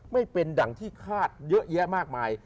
ไม่เป็นดังที่คาดเยอะแยะมากมาย